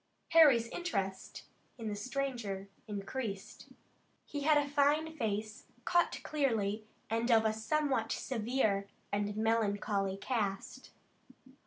Harry's interest in the stranger increased. He had a fine face, cut clearly, and of a somewhat severe and melancholy cast.